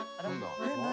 何？